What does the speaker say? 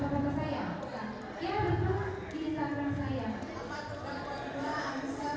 mau melihatkan para bukti dulu